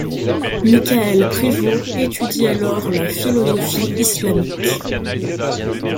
Michaël Privot étudie alors la philosophie islamique.